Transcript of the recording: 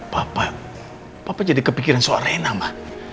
papa papa jadi kepikiran soal rena ma